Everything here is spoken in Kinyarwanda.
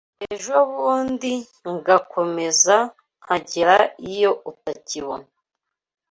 Ejobundi ngakomeza Nkagera iyo utakibona